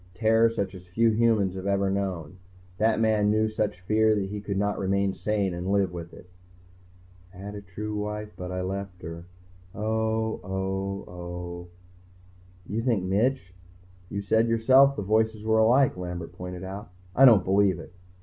Terror such as few humans have ever known. That man knew such fear he could not remain sane and live with it." I had a true wife but I left her ... oh, oh, oh. "You think Mitch " "You said yourself the voices were alike." Lambert pointed out. "I don't believe it."